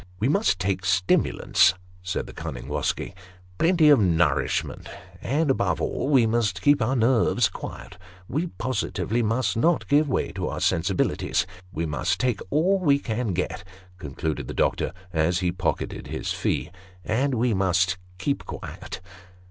" We must take stimulants," said the cunning Wosky " plenty of nourishment, and, above all, wo must keep our nerves quiet ; we positively must not give way to our sensibilities. We must take all we can get," concluded the doctor, as he pocketed his fee, " and we must keep quiet."